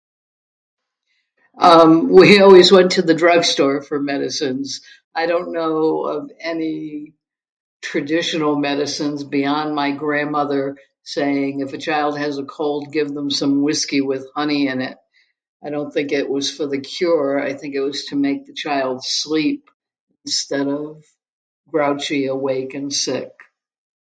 "Um, we always went to the drug store for medicines. I don't know of any traditional medicines beyond my grandmother saying, ""If a child has a cold give them some whiskey with honey in it"". I don't think it was for the cure, I think it was to make the child sleep instead of grouchy, awake, and sick."